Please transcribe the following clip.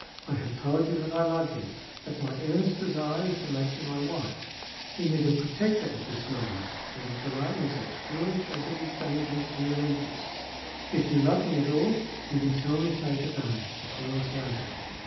I have told you that I love you, that my earnest desire is to make you my wife. You need a protector at this moment, and a delay is as foolish as it is dangerous to your interests. If you love me at all, you can tell me so to day as well as later."